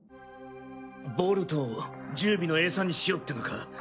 ボルトを十尾の餌にしようってのか？